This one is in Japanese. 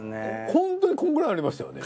ホントにこんくらいありましたよね。